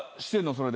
それで。